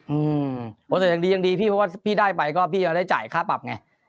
อืมโอ้แต่ยังดียังดีพี่เพราะว่าพี่ได้ไปก็พี่จะได้จ่ายค่าปรับไง